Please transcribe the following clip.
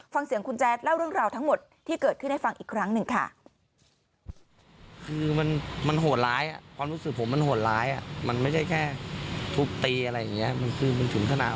ฟังเสียงคุณแจ๊ดเล่าเรื่องราวทั้งหมดที่เกิดขึ้นให้ฟังอีกครั้งหนึ่งค่ะ